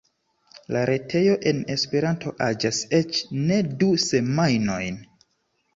La retejo en Esperanto aĝas eĉ ne du semajnojn!